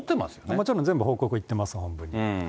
もちろん全部報告行ってます、本部に。